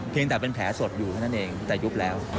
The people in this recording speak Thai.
แต่เป็นแผลสดอยู่เท่านั้นเองแต่ยุบแล้ว